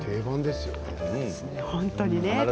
本当にね。